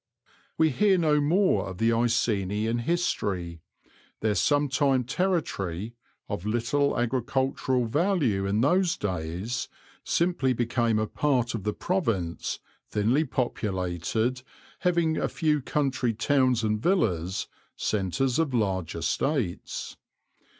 We hear no more of the Iceni in history. Their sometime territory, of little agricultural value in those days, simply became a part of the province, thinly populated, having a few country towns and villas, centres of large estates.